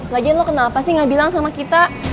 lagian lu kenal apa sih gak bilang sama kita